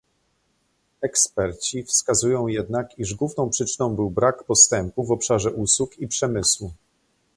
Eksperci wskazują jednak, iż główną przyczyną był brak postępu w obszarze usług i przemysłu